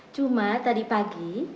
cuma tadi pagi